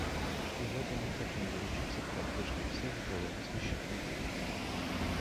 И в этом мы хотим заручиться поддержкой всех здравомыслящих людей.